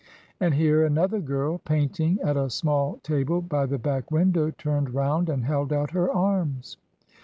and here another girl, painting at a small table by the back window, turned round and held out her arms.